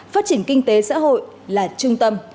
phát triển kinh tế xã hội là trung tâm